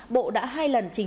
bộ đã hai lần trình chính